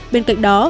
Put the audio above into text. bên cạnh đó